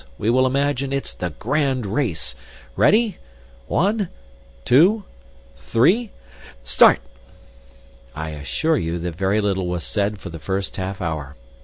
We will imagine it's the grand race. Ready! One, two, three, start!" I assure you that very little was said for the first half hour.